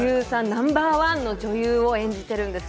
ナンバーワンの女優を演じているんです。